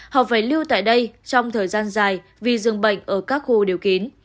họ phải lưu tại đây trong thời gian dài vì dường bệnh ở các khu đều kín